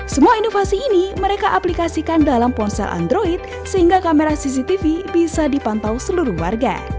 semua inovasi ini mereka aplikasikan dalam ponsel android sehingga kamera cctv bisa dipantau seluruh warga